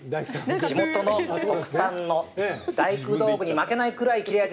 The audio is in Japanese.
地元の国産の大工道具に負けないぐらい切れ味